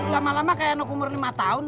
lama lama kayak anak umur lima tahun